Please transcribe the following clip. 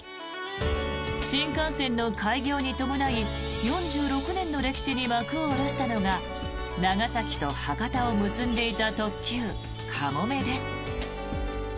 新幹線の開業に伴い４６年の歴史に幕を下ろしたのが長崎と博多を結んでいた特急かもめです。